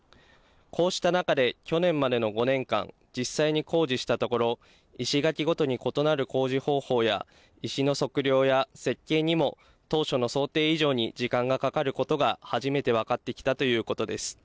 こうした中で、去年までの５年間、実際に工事したところ、石垣ごとに異なる工事方法や、石の測量や設計にも当初の想定以上に時間がかかることが初めて分かってきたということです。